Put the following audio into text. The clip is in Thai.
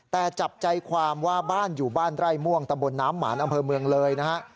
แต่จับใจความว่าบ้านอยู่บ้านไร่ม่วงตำบลน้ำหมานอำเภอเมืองเลยนะฮะ